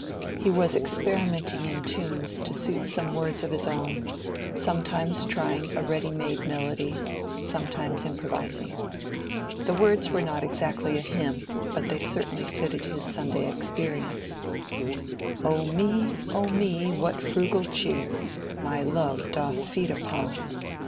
He was experimenting in tunes to suit some words of his own, sometimes trying a ready made melody, sometimes improvising. The words were not exactly a hymn, but they certainly fitted his Sunday experience:— "O me, O me, what frugal cheer My love doth feed upon!